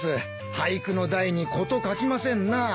俳句の題に事欠きませんな。